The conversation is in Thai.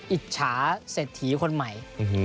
อิจฉาเศรษฐีคนใหม่